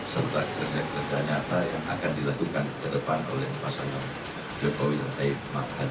serta kerja kerja nyata yang akan dilakukan ke depan oleh pasangan jokowi mahfud